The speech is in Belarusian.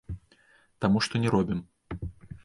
Таму што не робім.